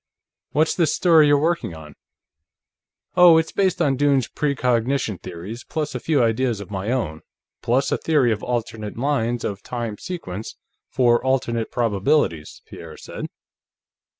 What's this story you're working on?" "Oh, it's based on Dunne's precognition theories, plus a few ideas of my own, plus a theory of alternate lines of time sequence for alternate probabilities," Pierre said.